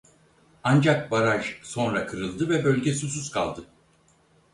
Ancak baraj sonra kırıldı ve bölge susuz kaldı.